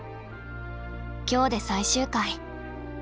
今日で最終回。